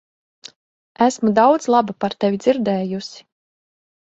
Esmu daudz laba par tevi dzirdējusi.